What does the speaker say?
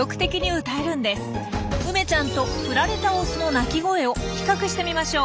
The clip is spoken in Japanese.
梅ちゃんと振られたオスの鳴き声を比較してみましょう。